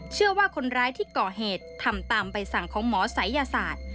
เชื่อว่าคนร้ายที่ก่อเหตุทำตามใบสั่งของหมอศัยยศาสตร์